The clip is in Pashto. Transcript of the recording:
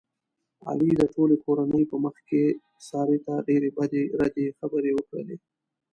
علي د ټولې کورنۍ په مخ کې سارې ته ډېرې بدې ردې خبرې وکړلې.